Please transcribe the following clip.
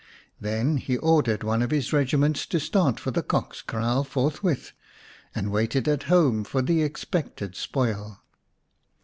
Then he ordered one of his regiments to start for the Cock's kraal forthwith, and waited at home for the expected spoil.